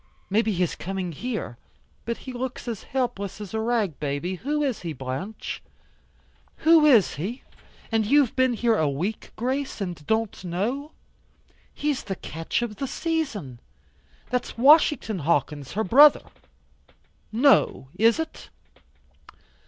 Maybe he is coming here. But he looks as helpless as a rag baby. Who is he, Blanche?" "Who is he? And you've been here a week, Grace, and don't know? He's the catch of the season. That's Washington Hawkins her brother." "No, is it?"